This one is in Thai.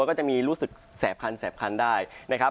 ก็จะมีรู้สึกแสบคันได้นะครับ